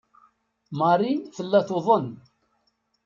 Marie tella tuḍen.